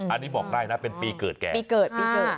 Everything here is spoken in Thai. อันนี้บอกได้นะเป็นปีเกิดแกปีเกิด